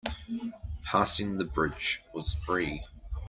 Passing the bridge was free.